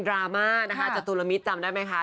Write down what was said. รามานะคะจตุลมิตจำได้ไหมคะ